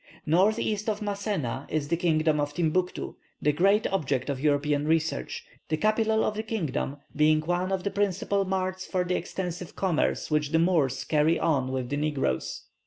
North east of Masena is the kingdom of Timbuctoo, the great object of European research, the capital of the kingdom being one of the principal marts for the extensive commerce which the Moors carry on with the negroes.